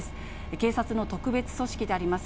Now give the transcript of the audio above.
警察の特別組織であります